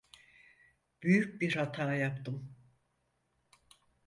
Büyük bir hata yaptım.